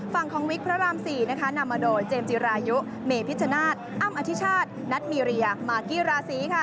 ฝั่งของวิกพระราม๔นะคะนำมาโดยเจมส์จิรายุเมพิชชนาธิอ้ำอธิชาตินัทมีเรียมากกี้ราศีค่ะ